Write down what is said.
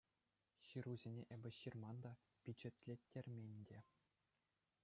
— Ҫырусене эпӗ ҫырман та, пичетлеттермен те.